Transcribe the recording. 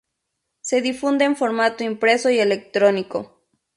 Se difunde en formato impreso y electrónico.